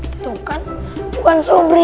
itu kan bukan sobri